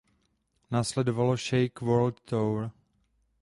Následovalo Shake world tour.